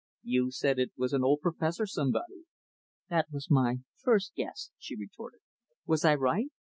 "You said it was an old professor somebody." "That was my first guess," she retorted. "Was I right?"